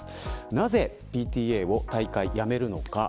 なぜ、ＰＴＡを退会やめるのか。